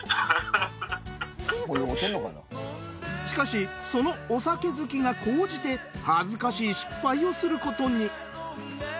しかしそのお酒好きが高じて恥ずかしい失敗をすることに。